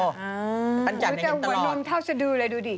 ท่านจัดอย่างงี้ตลอดจะหัวนมเท่าชะดูเลยดูดิ